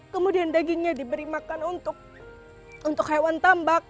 kemudian dagingnya diberi makan untuk hewan tambak